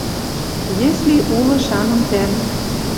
Если улы шаным тӓнг